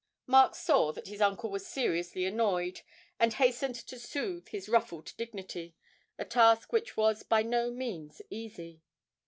Mark saw that his uncle was seriously annoyed, and hastened to soothe his ruffled dignity a task which was by no means easy.